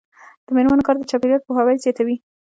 د میرمنو کار د چاپیریال پوهاوی زیاتوي.